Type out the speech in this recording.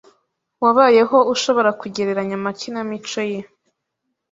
wabayeho ushobora kugereranya amakinamico ye